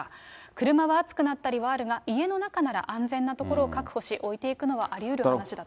車は暑くなったりはあるが、家の中なら安全なところを確保し、置いていくのはありうる話だと。